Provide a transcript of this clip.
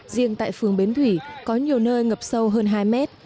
riêng tại phường bến thủy có nhiều nơi ngập sâu hơn hai mét